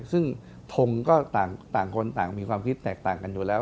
ซึ่งทงก็ต่างคนต่างมีความคิดแตกต่างกันอยู่แล้ว